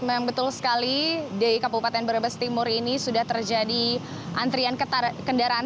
memang betul sekali di kabupaten brebes timur ini sudah terjadi antrian kendaraan